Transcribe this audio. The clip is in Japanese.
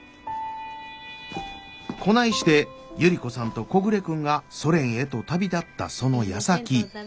こないして百合子さんと小暮君がソ連へと旅立ったそのやさき。